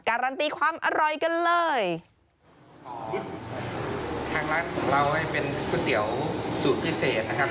การันตีความอร่อยกันเลยทางร้านของเราให้เป็นก๋วยเตี๋ยวสูตรพิเศษนะครับ